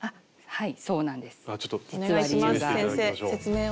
はい。